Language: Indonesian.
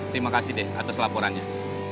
terima kasih deh atas laporannya